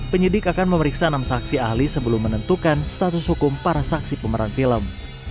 penyidik akan memeriksa enam saksi ahli sebelum menentukan status hukum para saksi pemeran film